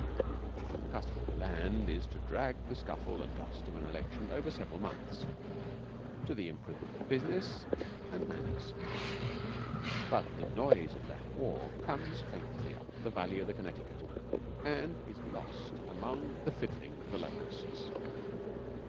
The custom of the land is to drag the scuffle and dust of an election over several months to the improvement of business and manners; but the noise of that war comes faintly up the valley of the Connecticut and is lost among the fiddling of the locusts.